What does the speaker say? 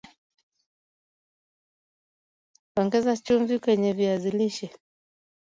ongeza chumvi kwenye viazi lishe